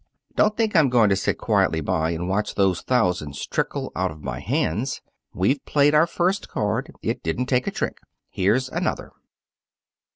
Don't think I'm going to sit quietly by and watch those thousands trickle out of our hands. We've played our first card. It didn't take a trick. Here's another."